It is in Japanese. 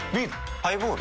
ハイボール？